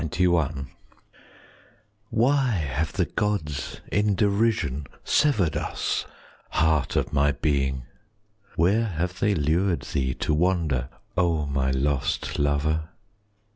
20 XCI Why have the gods in derision Severed us, heart of my being? Where have they lured thee to wander, O my lost lover?